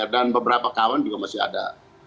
dan beberapa kawan juga masih ada